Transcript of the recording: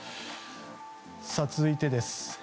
続いてです。